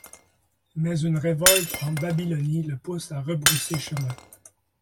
Mais une révolte en Babylonie le pousse à rebrousser chemin.